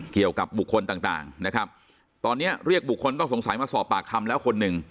เกี่ยวกับบุคคลต่างต่างนะครับตอนนี้เรียกบุคคลต้องสงสัยมาสอบปากคำแล้วคนหนึ่ง